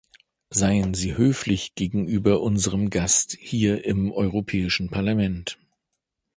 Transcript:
Seien Sie höflich gegenüber unserem Gast hier im Europäischen Parlament.